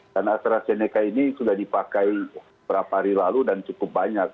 karena astrazeneca ini sudah dipakai beberapa hari lalu dan cukup banyak